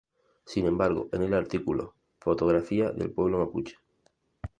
Sin embargo, en el artículo “Fotografía del pueblo mapuche.